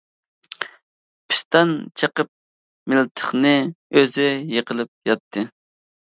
پىستان چېقىپ مىلتىقى، ئۆزى يىقىلىپ ياتتى.